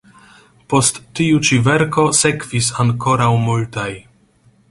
Post tiu ĉi verko sekvis ankoraŭ multaj.